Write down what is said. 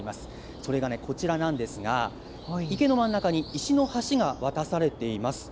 それがこちらなんですが、池の真ん中に石の橋が渡されています。